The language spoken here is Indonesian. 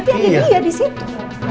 berarti aja dia di situ